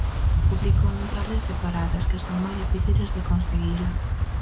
Publicou un par de separatas, que son moi difíciles de conseguila.